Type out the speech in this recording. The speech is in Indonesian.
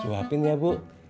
suapin ya bu